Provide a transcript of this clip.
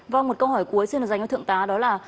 vâng một câu hỏi cuối xin được dành cho thượng tá đó là